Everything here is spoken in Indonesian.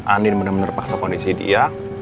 andien bener bener paksa kondisi dia